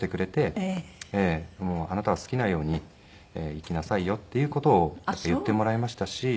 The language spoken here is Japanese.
「あなたは好きなように生きなさいよ」っていう事を言ってもらいましたし。